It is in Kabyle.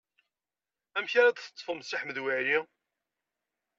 Amek ara d-teṭṭfem Si Ḥmed Waɛli?